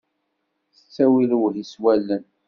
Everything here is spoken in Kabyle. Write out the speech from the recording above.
Tettawi lewhi s wallen.